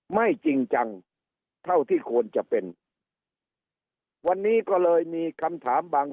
ไม่จริงจังเท่าที่ควรจะเป็นวันนี้ก็เลยมีคำถามบาง